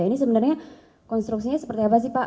ini sebenarnya konstruksinya seperti apa sih pak